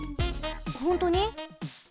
ほんとに？